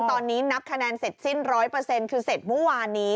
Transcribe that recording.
ตอนนี้นับคะแนนเสร็จสิ้น๑๐๐คือเสร็จเมื่อวานนี้